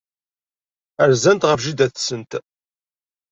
Rzant ɣef jida-tsent.